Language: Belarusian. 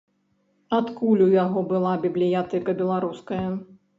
Адкуль у яго была бібліятэка беларуская?